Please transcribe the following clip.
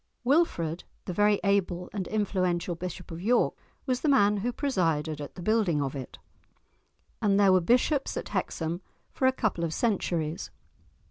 Wilfrid, the very able and influential Bishop of York, was the man who presided at the building of it, and there were bishops at Hexham for a couple of centuries.